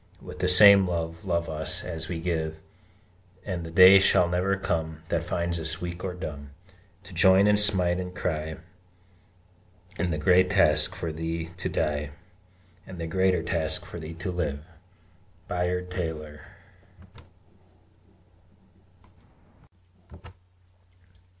With the same love love us, as we give; And the day shall never come, That finds us weak or dumb To join and smite and cry In the great task, for thee to die, And the greater task, for thee to live! BAYARD TAYLOR.